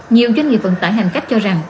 nhiều doanh nghiệp vận tải hành khách cho rằng